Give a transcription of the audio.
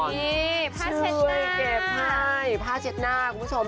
นี่ผ้าช่วยเก็บให้ผ้าเช็ดหน้าคุณผู้ชม